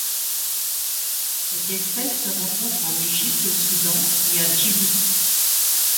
Cette espèce se rencontre en Égypte, au Soudan et à Djibouti.